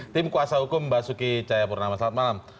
tim kuasa hukum basuki cahaya purnama selamat malam